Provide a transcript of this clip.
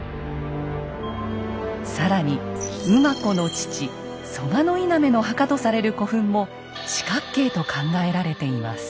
更に馬子の父蘇我稲目の墓とされる古墳も四角形と考えられています。